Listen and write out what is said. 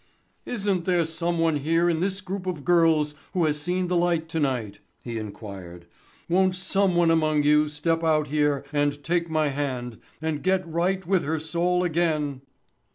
"Isn't there someone here in this group of girls who has seen the light tonight," he inquired. "Won't someone among you step out here and take my hand and get right with her soul again?"